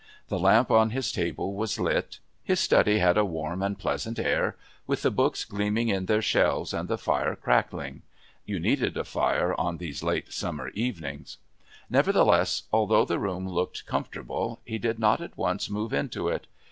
The lamp on his table was lit, his study had a warm and pleasant air with the books gleaming in their shelves and the fire crackling. (You needed a fire on these late summer evenings.) Nevertheless, although the room looked comfortable, he did not at once move into it.